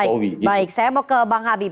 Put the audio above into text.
baik baik saya mau ke bang habib